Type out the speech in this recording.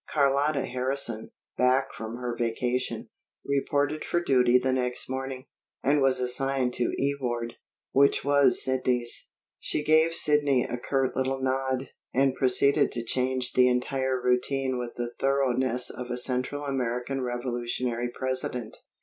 Carlotta Harrison, back from her vacation, reported for duty the next morning, and was assigned to E ward, which was Sidney's. She gave Sidney a curt little nod, and proceeded to change the entire routine with the thoroughness of a Central American revolutionary president.